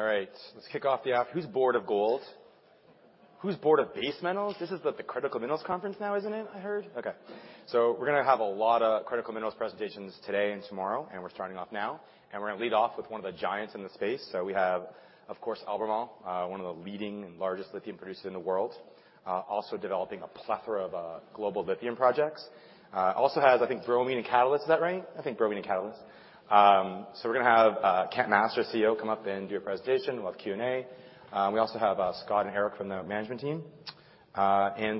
All right, let's kick off the app. Who's board of gold? Who's board of base metals? This is the Critical Minerals Conference now, isn't it, I heard? Okay. We're gonna have a lot of critical minerals presentations today and tomorrow, and we're starting off now. We're gonna lead off with one of the giants in the space. We have, of course, Albemarle, one of the leading and largest lithium producers in the world, also developing a plethora of global lithium projects. Also has, I think, bromine and catalysts. Is that right? I think bromine and catalysts. We're gonna have Kent Masters, CEO, come up and do a presentation. We'll have Q&A. We also have Scott and Eric from the management team.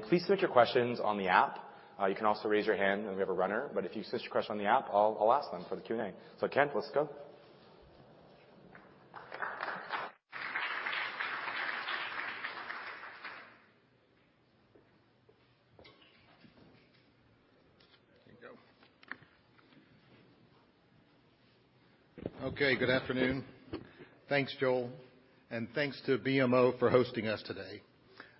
Please submit your questions on the app. You can also raise your hand and we have a runner, but if you submit your question on the app, I'll ask them for the Q&A. Kent, let's go. There you go. Okay, good afternoon. Thanks, Joel, thanks to BMO for hosting us today.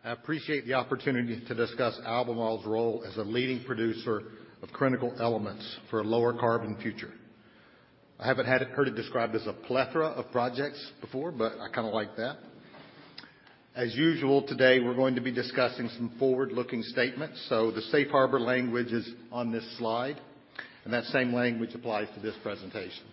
I appreciate the opportunity to discuss Albemarle's role as a leading producer of critical elements for a lower carbon future. I haven't heard it described as a plethora of projects before, I kinda like that. As usual, today, we're going to be discussing some forward-looking statements. The safe harbor language is on this slide. That same language applies to this presentation.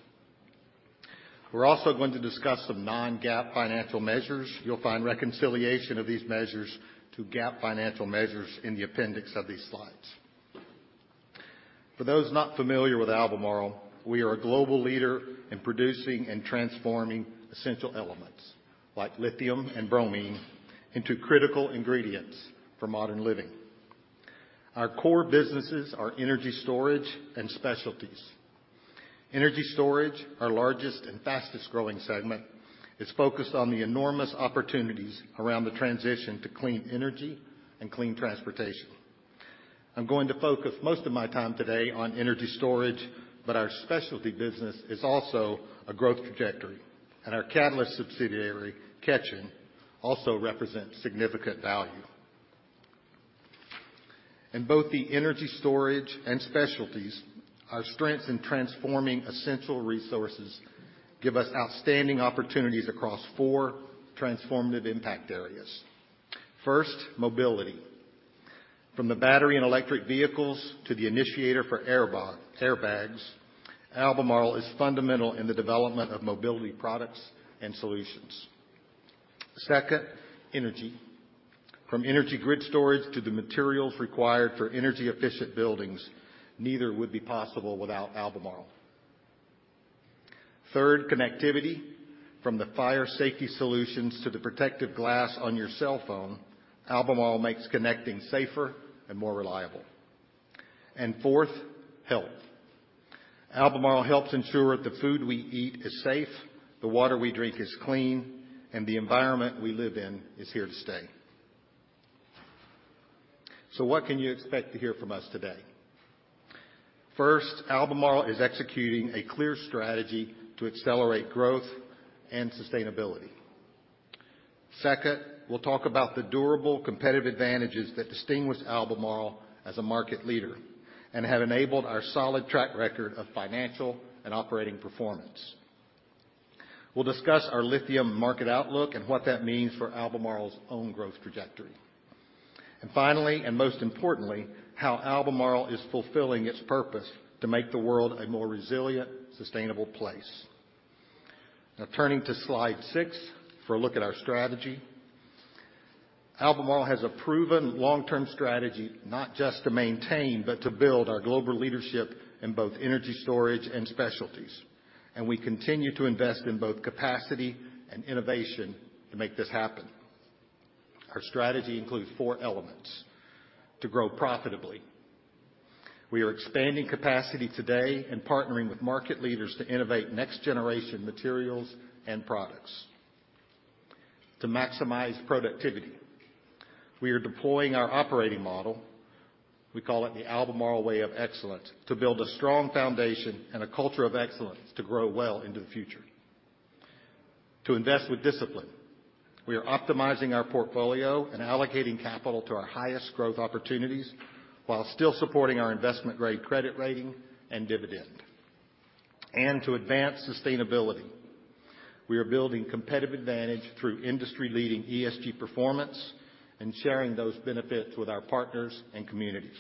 We're also going to discuss some non-GAAP financial measures. You'll find reconciliation of these measures to GAAP financial measures in the appendix of these slides. For those not familiar with Albemarle, we are a global leader in producing and transforming essential elements, like lithium and bromine, into critical ingredients for modern living. Our core businesses are energy storage and specialties. Energy Storage, our largest and fastest-growing segment, is focused on the enormous opportunities around the transition to clean energy and clean transportation. I'm going to focus most of my time today on Energy Storage, but our Specialty business is also a growth trajectory, and our catalyst subsidiary, Ketjen, also represents significant value. In both the Energy Storage and Specialties, our strengths in transforming essential resources give us outstanding opportunities across four transformative impact areas. First, mobility. From the battery and electric vehicles to the initiator for airbags, Albemarle is fundamental in the development of mobility products and solutions. Second, energy. From energy grid storage to the materials required for energy-efficient buildings, neither would be possible without Albemarle. Third, connectivity. From the fire safety solutions to the protective glass on your cell phone, Albemarle makes connecting safer and more reliable. Fourth, health. Albemarle helps ensure the food we eat is safe, the water we drink is clean, and the environment we live in is here to stay. What can you expect to hear from us today? First, Albemarle is executing a clear strategy to accelerate growth and sustainability. Second, we'll talk about the durable competitive advantages that distinguish Albemarle as a market leader and have enabled our solid track record of financial and operating performance. We'll discuss our lithium market outlook and what that means for Albemarle's own growth trajectory. Finally, and most importantly, how Albemarle is fulfilling its purpose to make the world a more resilient, sustainable place. Turning to slide six for a look at our strategy. Albemarle has a proven long-term strategy not just to maintain, but to build our global leadership in both Energy Storage and Specialties, and we continue to invest in both capacity and innovation to make this happen. Our strategy includes four elements. To grow profitably. We are expanding capacity today and partnering with market leaders to innovate next-generation materials and products. To maximize productivity. We are deploying our operating model, we call it the Albemarle Way of Excellence, to build a strong foundation and a culture of excellence to grow well into the future. To invest with discipline. We are optimizing our portfolio and allocating capital to our highest growth opportunities while still supporting our investment-grade credit rating and dividend. To advance sustainability. We are building competitive advantage through industry-leading ESG performance and sharing those benefits with our partners and communities.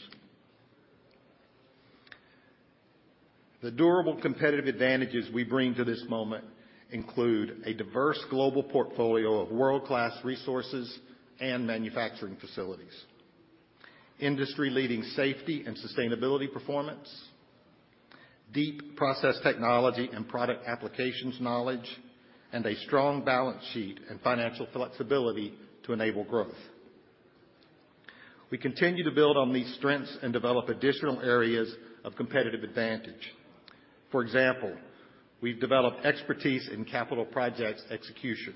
The durable competitive advantages we bring to this moment include a diverse global portfolio of world-class resources and manufacturing facilities, industry-leading safety and sustainability performance, deep process technology and product applications knowledge, and a strong balance sheet and financial flexibility to enable growth. We continue to build on these strengths and develop additional areas of competitive advantage. For example, we've developed expertise in capital projects execution.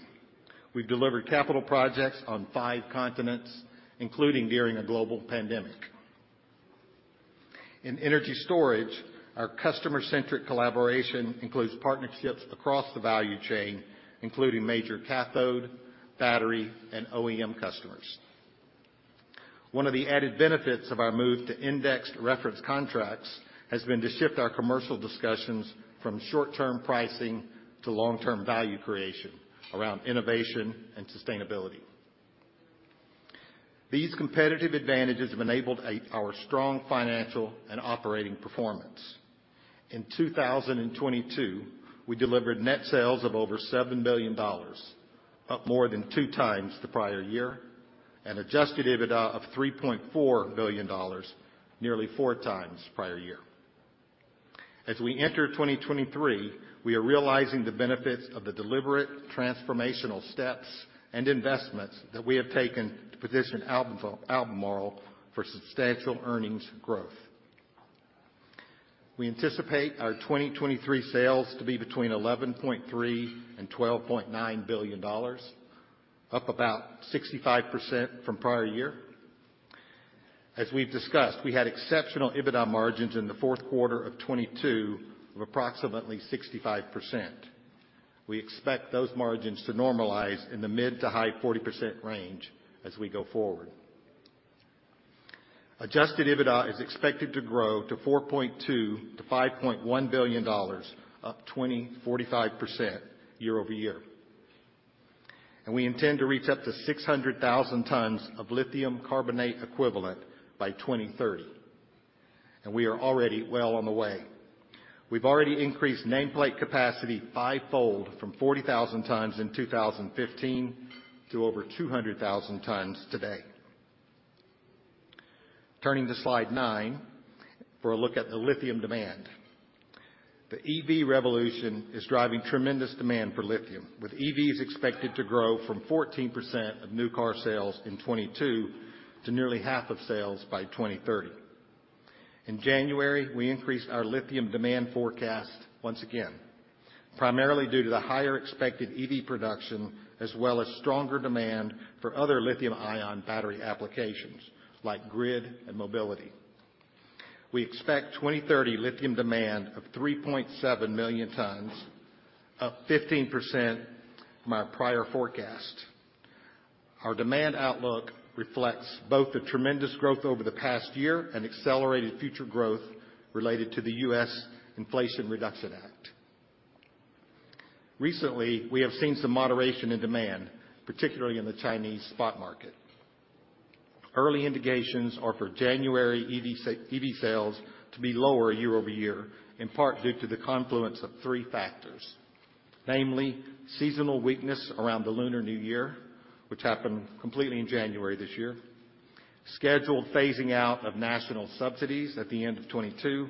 We've delivered capital projects on five continents, including during a global pandemic. In energy storage, our customer-centric collaboration includes partnerships across the value chain, including major cathode, battery, and OEM customers. One of the added benefits of our move to indexed reference contracts has been to shift our commercial discussions from short-term pricing to long-term value creation around innovation and sustainability. These competitive advantages have enabled our strong financial and operating performance. In 2022, we delivered net sales of over $7 billion, up more than 2x the prior year, and adjusted EBITDA of $3.4 billion, nearly 4x prior year. As we enter 2023, we are realizing the benefits of the deliberate transformational steps and investments that we have taken to position Albemarle for substantial earnings growth. We anticipate our 2023 sales to be between $11.3 billion and $12.9 billion, up about 65% from prior year. As we've discussed, we had exceptional EBITDA margins in the fourth quarter of 2022 of approximately 65%. We expect those margins to normalize in the mid- to high-40% range as we go forward. Adjusted EBITDA is expected to grow to $4.2 billion-$5.1 billion, up 20%, 45% year-over-year. We intend to reach up to 600,000 tons of lithium carbonate equivalent by 2030, and we are already well on the way. We've already increased nameplate capacity five-fold from 40,000 tons in 2015 to over 200,000 tons today. Turning to slide nine for a look at the lithium demand. The EV revolution is driving tremendous demand for lithium, with EVs expected to grow from 14% of new car sales in 2022 to nearly half of sales by 2030. In January, we increased our lithium demand forecast once again, primarily due to the higher expected EV production, as well as stronger demand for other lithium-ion battery applications like grid and mobility. We expect 2030 lithium demand of 3.7 million tons, up 15% from our prior forecast. Our demand outlook reflects both the tremendous growth over the past year and accelerated future growth related to the U.S. Inflation Reduction Act. Recently, we have seen some moderation in demand, particularly in the Chinese spot market. Early indications are for January EV sales to be lower year-over-year, in part due to the confluence of three factors. Namely, seasonal weakness around the Lunar New Year, which happened completely in January this year, scheduled phasing out of national subsidies at the end of 2022,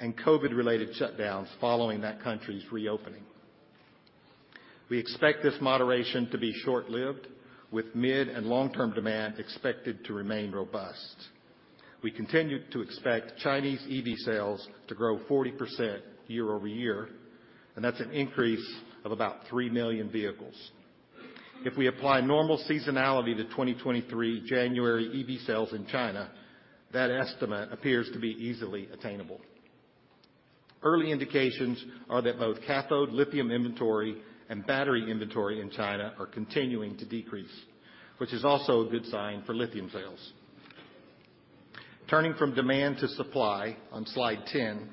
and COVID-related shutdowns following that country's reopening. We expect this moderation to be short-lived, with mid- and long-term demand expected to remain robust. We continue to expect Chinese EV sales to grow 40% year-over-year. That's an increase of about 3 million vehicles. If we apply normal seasonality to 2023 January EV sales in China, that estimate appears to be easily attainable. Early indications are that both cathode lithium inventory and battery inventory in China are continuing to decrease, which is also a good sign for lithium sales. Turning from demand to supply on slide 10.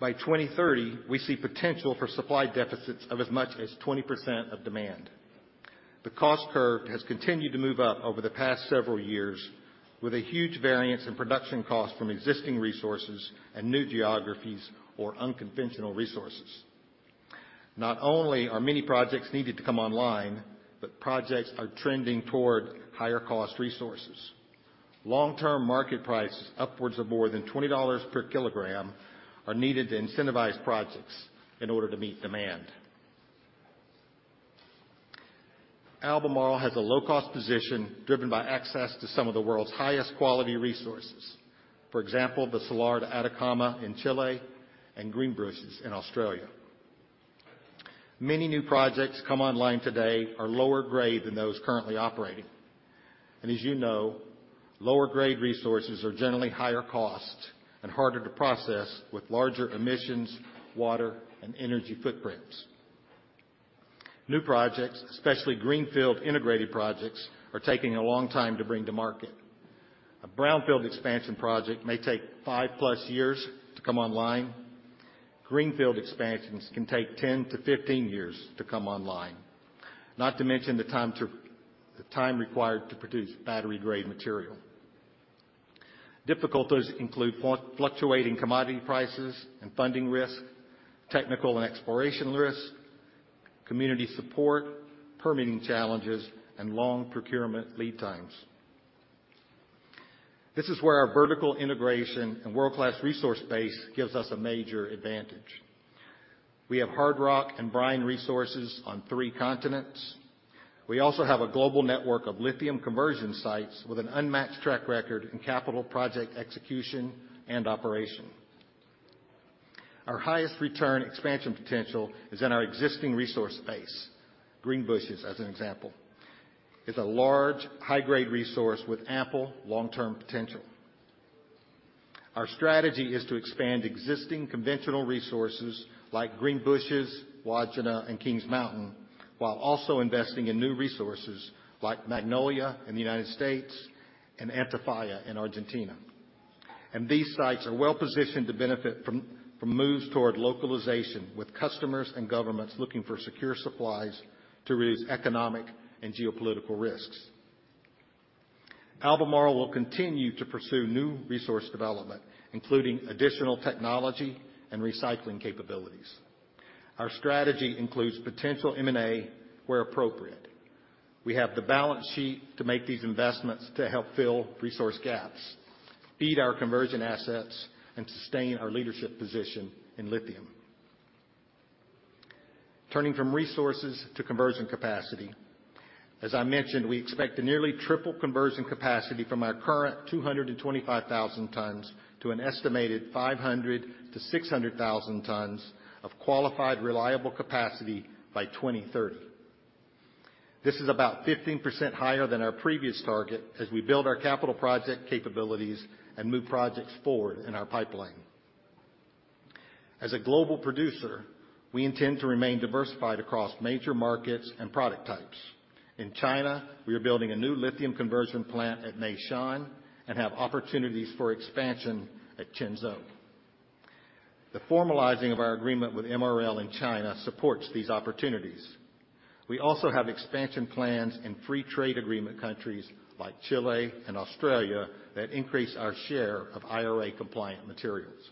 By 2030, we see potential for supply deficits of as much as 20% of demand. The cost curve has continued to move up over the past several years with a huge variance in production costs from existing resources and new geographies or unconventional resources. Not only are many projects needed to come online, but projects are trending toward higher cost resources. Long-term market prices upwards of more than $20 per kg are needed to incentivize projects in order to meet demand. Albemarle has a low cost position driven by access to some of the world's highest quality resources. For example, the Salar de Atacama in Chile and Greenbushes in Australia. Many new projects come online today are lower grade than those currently operating. As you know, lower grade resources are generally higher cost and harder to process with larger emissions, water, and energy footprints. New projects, especially greenfield integrated projects, are taking a long time to bring to market. A brownfield expansion project may take five-plus years to come online. Greenfield expansions can take 10-15 years to come online. Not to mention the time required to produce battery-grade material. Difficulties include fluctuating commodity prices and funding risk, technical and exploration risk, community support, permitting challenges, and long procurement lead times. This is where our vertical integration and world-class resource base gives us a major advantage. We have hard rock and brine resources on three continents. We also have a global network of lithium conversion sites with an unmatched track record in capital project execution and operation. Our highest return expansion potential is in our existing resource base. Greenbushes, as an example, is a large, high-grade resource with ample long-term potential. Our strategy is to expand existing conventional resources like Greenbushes, Wodgina, and Kings Mountain, while also investing in new resources like Magnolia in the United States and Antofalla in Argentina. These sites are well-positioned to benefit from moves toward localization with customers and governments looking for secure supplies to reduce economic and geopolitical risks. Albemarle will continue to pursue new resource development, including additional technology and recycling capabilities. Our strategy includes potential M&A where appropriate. We have the balance sheet to make these investments to help fill resource gaps, feed our conversion assets, and sustain our leadership position in lithium. Turning from resources to conversion capacity. As I mentioned, we expect to nearly triple conversion capacity from our current 225,000 tons to an estimated 500,000 tons to 600,000 tons of qualified, reliable capacity by 2030. This is about 15% higher than our previous target as we build our capital project capabilities and move projects forward in our pipeline. As a global producer, we intend to remain diversified across major markets and product types. In China, we are building a new lithium conversion plant at Meishan and have opportunities for expansion at Qinzhou. The formalizing of our agreement with MRL in China supports these opportunities. We also have expansion plans in free trade agreement countries like Chile and Australia that increase our share of IRA-compliant materials.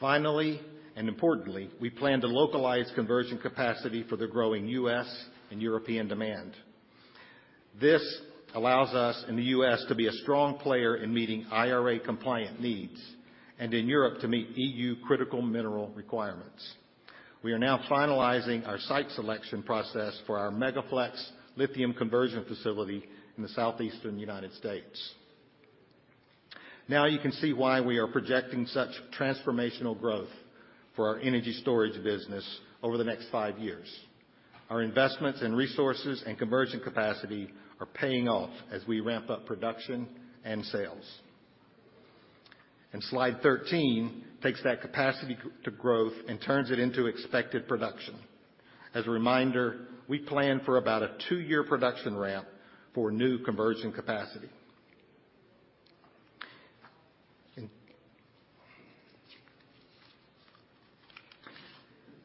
Finally, and importantly, we plan to localize conversion capacity for the growing U.S. and European demand. This allows us in the U.S. to be a strong player in meeting IRA-compliant needs, and in Europe to meet EU critical mineral requirements. We are now finalizing our site selection process for our Mega-Flex lithium conversion facility in the southeastern United States. Now, you can see why we are projecting such transformational growth for our energy storage business over the next five years. Our investments in resources and conversion capacity are paying off as we ramp up production and sales. Slide 13 takes that capacity to growth and turns it into expected production. As a reminder, we plan for about a two-year production ramp for new conversion capacity.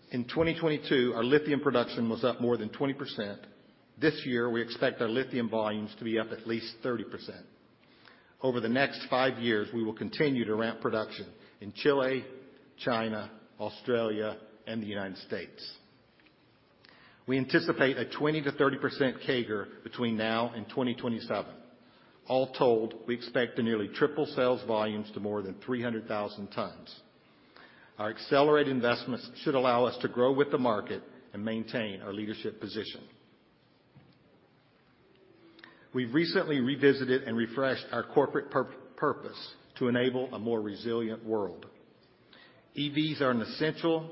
In 2022, our lithium production was up more than 20%. This year, we expect our lithium volumes to be up at least 30%. Over the next five years, we will continue to ramp production in Chile, China, Australia, and the United States. We anticipate a 20%-30% CAGR between now and 2027. All told, we expect to nearly triple sales volumes to more than 300,000 tons. Our accelerated investments should allow us to grow with the market and maintain our leadership position. We've recently revisited and refreshed our corporate purpose to enable a more resilient world. EVs are essential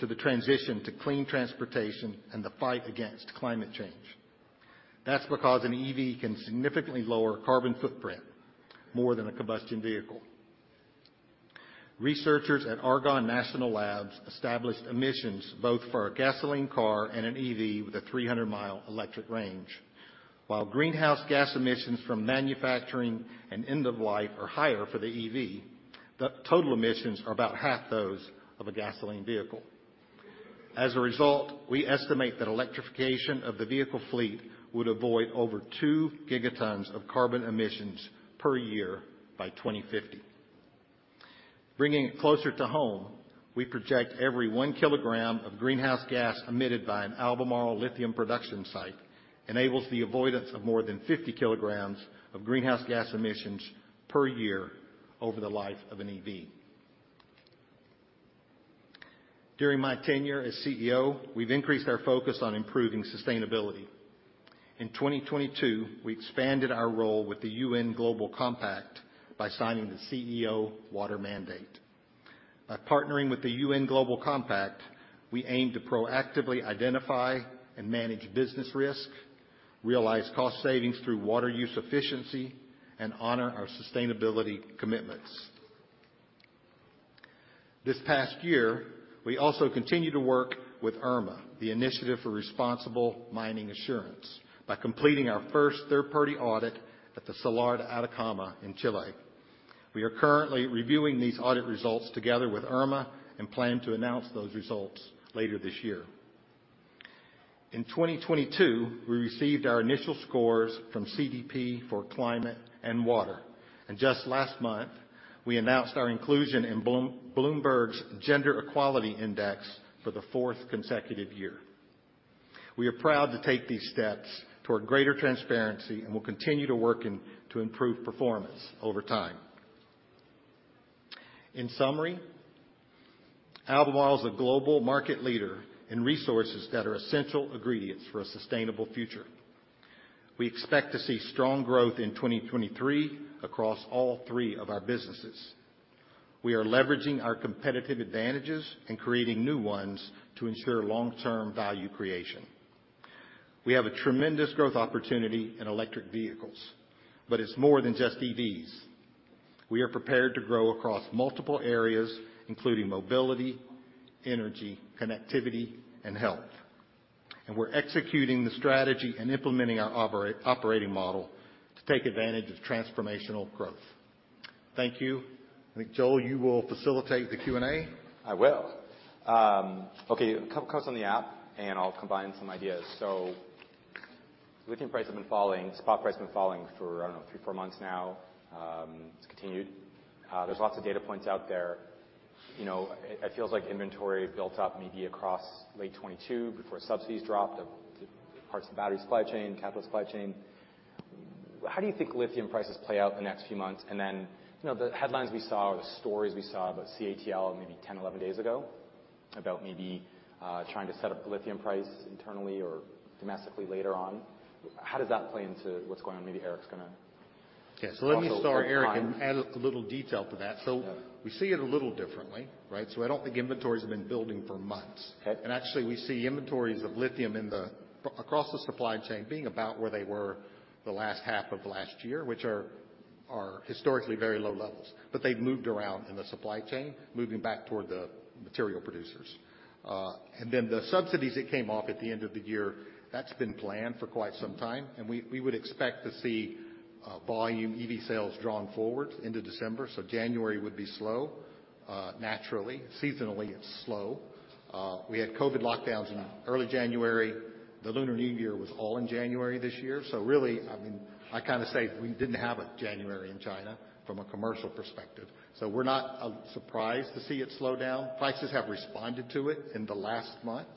to the transition to clean transportation and the fight against climate change. That's because an EV can significantly lower carbon footprint more than a combustion vehicle. Researchers at Argonne National Laboratory established emissions both for a gasoline car and an EV with a 300-mile electric range. While greenhouse gas emissions from manufacturing and end of life are higher for the EV, the total emissions are about half those of a gasoline vehicle. As a result, we estimate that electrification of the vehicle fleet would avoid over two gigaton of carbon emissions per year by 2050. Bringing it closer to home, we project every 1 kg of greenhouse gas emitted by an Albemarle lithium production site enables the avoidance of more than 50 kg of greenhouse gas emissions per year over the life of an EV. During my tenure as CEO, we've increased our focus on improving sustainability. In 2022, we expanded our role with the UN Global Compact by signing the CEO Water Mandate. By partnering with the UN Global Compact, we aim to proactively identify and manage business risk, realize cost savings through water use efficiency, and honor our sustainability commitments. This past year, we also continued to work with IRMA, the Initiative for Responsible Mining Assurance, by completing our first third-party audit at the Salar de Atacama in Chile. We are currently reviewing these audit results together with IRMA and plan to announce those results later this year. In 2022, we received our initial scores from CDP for climate and water. Just last month, we announced our inclusion in Bloomberg's Gender-Equality Index for the fourth consecutive year. We are proud to take these steps toward greater transparency and will continue to work and to improve performance over time. In summary, Albemarle is a global market leader in resources that are essential ingredients for a sustainable future. We expect to see strong growth in 2023 across all three of our businesses. We are leveraging our competitive advantages and creating new ones to ensure long-term value creation. We have a tremendous growth opportunity in electric vehicles, but it's more than just EVs. We are prepared to grow across multiple areas, including mobility, energy, connectivity, and health. We're executing the strategy and implementing our operating model to take advantage of transformational growth. Thank you. I think, Joel, you will facilitate the Q&A. I will. Okay. A couple comments on the app, and I'll combine some ideas. Lithium prices have been falling, spot price been falling for, I don't know, three, four months now. It's continued. There's lots of data points out there. You know, it feels like inventory built up maybe across late 2022 before subsidies dropped of parts of the battery supply chain, catalyst supply chain. How do you think lithium prices play out in the next few months? You know, the headlines we saw or the stories we saw about CATL maybe 10, 11 days ago, about maybe trying to set up a lithium price internally or domestically later on, how does that play into what's going on? Maybe Eric's gonna Yeah. Let me start, Eric, and add a little detail to that. Yeah. We see it a little differently, right? I don't think inventories have been building for months. Okay. Actually, we see inventories of lithium across the supply chain being about where they were the last half of last year, which are historically very low levels. They've moved around in the supply chain, moving back toward the material producers. The subsidies that came off at the end of the year, that's been planned for quite some time. We would expect to see volume EV sales drawn forward into December. January would be slow, naturally. Seasonally, it's slow. We had COVID lockdowns in early January. The Lunar New Year was all in January this year. Really, I mean, I kinda say we didn't have a January in China from a commercial perspective. We're not surprised to see it slow down. Prices have responded to it in the last month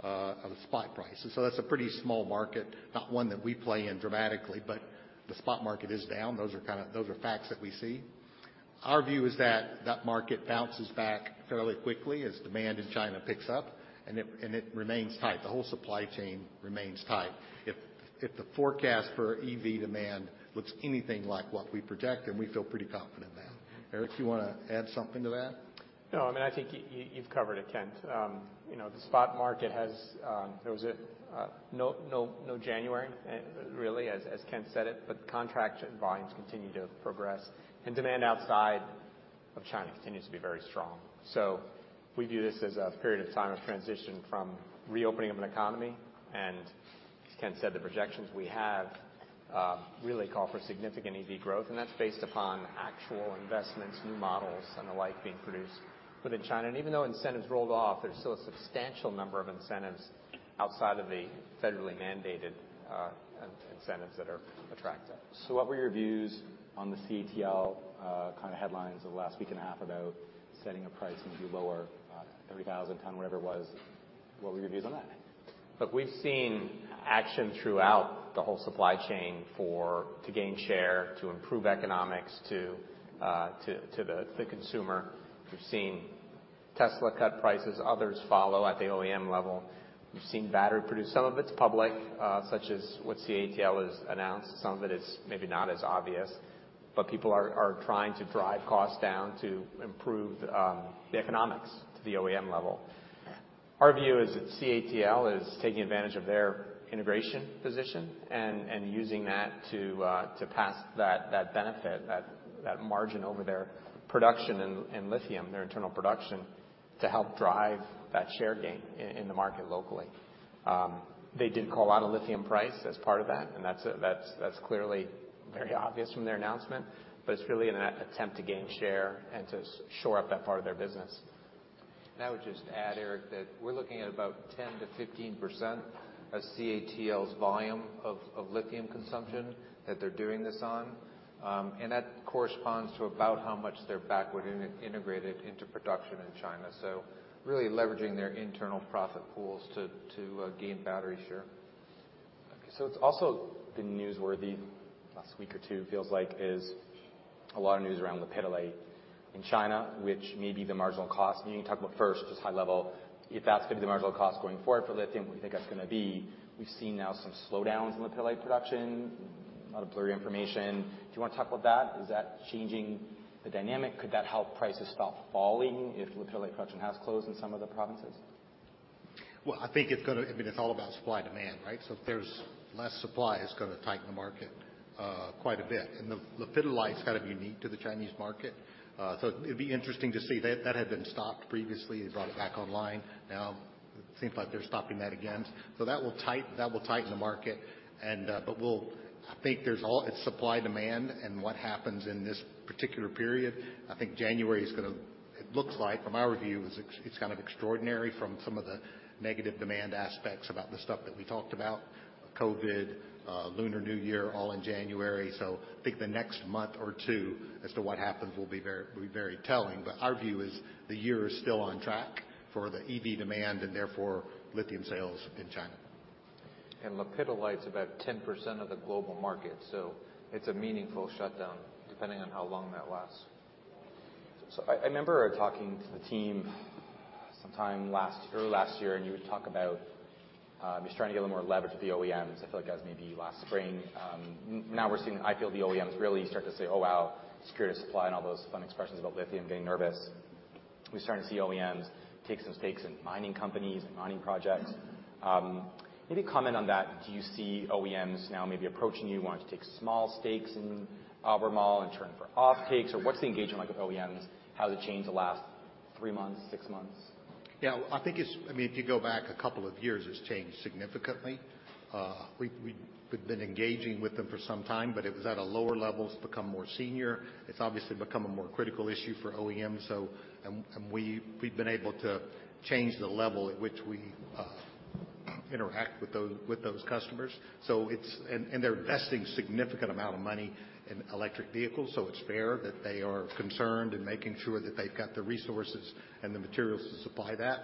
of the spot prices. That's a pretty small market, not one that we play in dramatically. The spot market is down. Those are kinda facts that we see. Our view is that that market bounces back fairly quickly as demand in China picks up, and it remains tight. The whole supply chain remains tight. If the forecast for EV demand looks anything like what we project, then we feel pretty confident in that. Eric, you wanna add something to that? No. I mean, I think you've covered it, Kent. you know, there was no January, really, as Kent said it. Contract volumes continue to progress, and demand outside of China continues to be very strong. We view this as a period of time of transition from reopening of an economy. As Kent said, the projections we have, really call for significant EV growth, and that's based upon actual investments, new models, and the like being produced within China. Even though incentives rolled off, there's still a substantial number of incentives outside of the federally mandated, incentives that are attractive. What were your views on the CATL, kinda headlines of the last week and a half about setting a price maybe lower, every 1,000 ton, whatever it was? What were your views on that? Look, we've seen action throughout the whole supply chain to gain share, to improve economics to the consumer. We've seen Tesla cut prices, others follow at the OEM level. We've seen battery produce. Some of it's public, such as what CATL has announced. Some of it is maybe not as obvious. People are trying to drive costs down to improve the economics to the OEM level. Our view is that CATL is taking advantage of their integration position and using that to pass that benefit, that margin over their production and lithium, their internal production, to help drive that share gain in the market locally. They did call out a lithium price as part of that, and that's clearly very obvious from their announcement. It's really in an attempt to gain share and to shore up that part of their business. I would just add, Eric, that we're looking at about 10%-15% of CATL's volume of lithium consumption that they're doing this on. That corresponds to about how much they're backward integrated into production in China. Really leveraging their internal profit pools to gain battery share. Okay. It's also been newsworthy last week or two, feels like, is a lot of news around lepidolite in China, which may be the marginal cost. Maybe you can talk about first, just high level, if that's gonna be the marginal cost going forward for lithium, we think that's gonna be? We've seen now some slowdowns in lepidolite production, a lot of blurry information. Do you wanna talk about that? Is that changing the dynamic? Could that help prices stop falling if lepidolite production has closed in some of the provinces? Well, I think it's gonna... I mean, it's all about supply and demand, right? If there's less supply, it's gonna tighten the market quite a bit. The lepidolite's kind of unique to the Chinese market. It'd be interesting to see. That had been stopped previously. They brought it back online. Now it seems like they're stopping that again. That will tighten the market and... we'll... I think there's all... It's supply, demand, and what happens in this particular period. I think January is gonna, it looks like from our view, it's kind of extraordinary from some of the negative demand aspects about the stuff that we talked about, COVID, Lunar New Year, all in January. I think the next month or two as to what happens will be very telling. Our view is the year is still on track for the EV demand, and therefore lithium sales in China. Lepidolite's about 10% of the global market, so it's a meaningful shutdown, depending on how long that lasts. I remember talking to the team sometime last, early last year, and you would talk about just trying to get a little more leverage with the OEMs. I feel like that was maybe last spring. now we're seeing, I feel the OEMs really start to say, "Oh, wow, security of supply," and all those fun expressions about lithium getting nervous. We're starting to see OEMs take some stakes in mining companies and mining projects. maybe comment on that. Do you see OEMs now maybe approaching you, wanting to take small stakes in Albemarle, in turn for off-takes? Or what's the engagement like with OEMs? How has it changed the last three months, six months? Yeah. I think I mean, if you go back a couple of years, it's changed significantly. We've been engaging with them for some time, but it was at a lower level. It's become more senior. It's obviously become a more critical issue for OEMs. We've been able to change the level at which we interact with those customers. They're investing significant amount of money in electric vehicles, so it's fair that they are concerned and making sure that they've got the resources and the materials to supply that.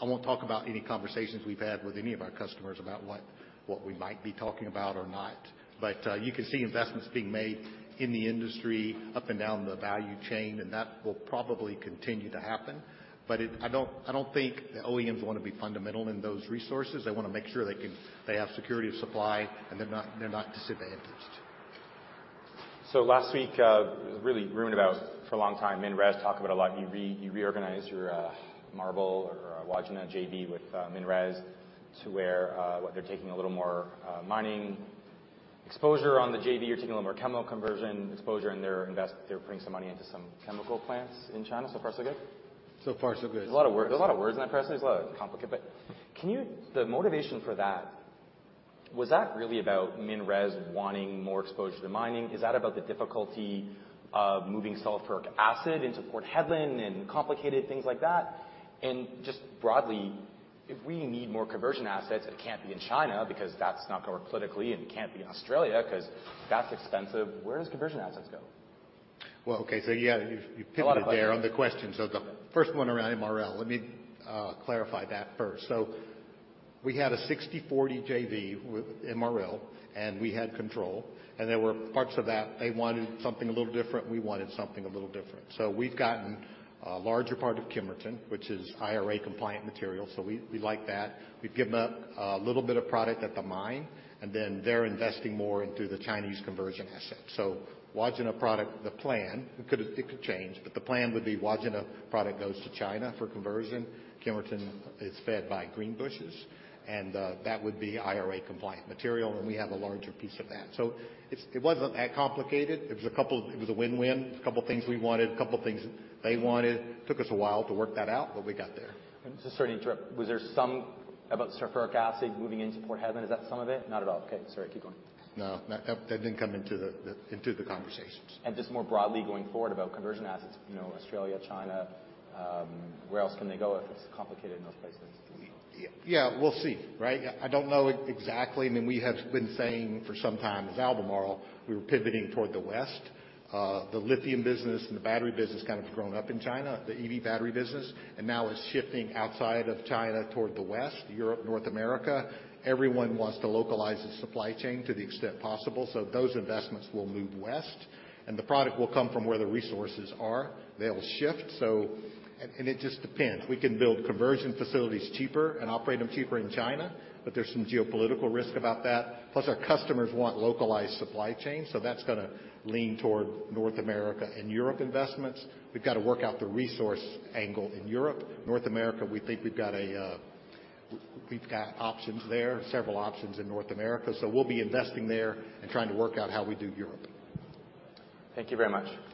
I won't talk about any conversations we've had with any of our customers about what we might be talking about or not. You can see investments being made in the industry up and down the value chain, and that will probably continue to happen. I don't think the OEMs wanna be fundamental in those resources. They wanna make sure they have security of supply and they're not disadvantaged. Last week, it was really rumored about for a long time, MinRes talk about a lot. You reorganized your MARBL or Wodgina JV with MinRes to where, what they're taking a little more mining exposure on the JV. You're taking a little more chemical conversion exposure, they're putting some money into some chemical plants in China. Far, so good? So far, so good. There's a lot of words in that press release. A lot of complicate. The motivation for that, was that really about MinRes wanting more exposure to mining? Is that about the difficulty of moving sulfuric acid into Port Hedland and complicated things like that? Just broadly, if we need more conversion assets, it can't be in China because that's not gonna work politically, and it can't be in Australia 'cause that's expensive. Where does conversion assets go? Well, okay. yeah, you- A lot of questions. ...pivoted there on the question. The first one around MRL, let me clarify that first. We had a 60/40 JV with MRL, and we had control, and there were parts of that they wanted something a little different, we wanted something a little different. We've gotten a larger part of Kemerton, which is IRA compliant material, so we like that. We've given up a little bit of product at the mine, and then they're investing more into the Chinese conversion assets. Wodgina product, the plan, it could, it could change, but the plan would be Wodgina product goes to China for conversion. Kemerton is fed by Greenbushes, and that would be IRA compliant material, and we have a larger piece of that. It's, it wasn't that complicated. It was a win-win. A couple of things we wanted, a couple of things they wanted. Took us a while to work that out, but we got there. Sorry to interrupt. Was there some about sulfuric acid moving into Port Hedland? Is that some of it? Not at all. Okay. Sorry. Keep going. No. No. That didn't come into the, into the conversations. Just more broadly, going forward about conversion assets, you know, Australia, China, where else can they go if it's complicated in those places? Yeah, we'll see, right? I don't know exactly. I mean, we have been saying for some time as Albemarle, we were pivoting toward the West. The lithium business and the battery business kind of grown up in China, the EV battery business. Now it's shifting outside of China toward the West, Europe, North America. Everyone wants to localize the supply chain to the extent possible, those investments will move West, and the product will come from where the resources are. They'll shift. It just depends. We can build conversion facilities cheaper and operate them cheaper in China, there's some geopolitical risk about that. Our customers want localized supply chain, that's gonna lean toward North America and Europe investments. We've got to work out the resource angle in Europe. North America, we think we've got options there, several options in North America. We'll be investing there and trying to work out how we do Europe. Thank you very much. Thanks, Joel.